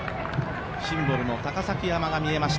シンボルの高崎山が見えました、